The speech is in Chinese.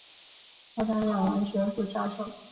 后担任文学部教授。